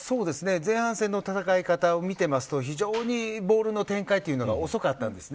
前半戦での戦い方を見ていると非常にボールの展開が遅かったんです。